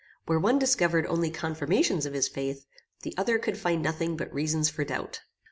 Where one discovered only confirmations of his faith, the other could find nothing but reasons for doubt.